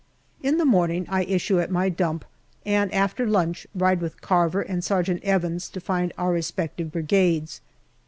In the morning I issue at my dump, and after lunch ride with Carver and Sergeant Evans to find our respective Brigades.